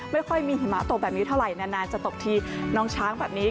ไม่ค่อยมีหิมะตกแบบนี้เท่าไหร่นานจะตกที่น้องช้างแบบนี้